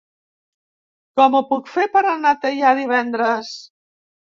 Com ho puc fer per anar a Teià divendres?